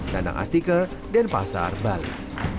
danang astika dan pasar bali